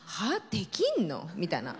できんの？」みたいな。